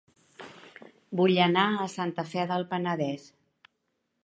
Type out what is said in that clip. Vull anar a Santa Fe del Penedès